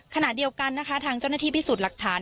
ขณะเดียวกันนะคะทางเจ้าหน้าที่พิสูจน์หลักฐาน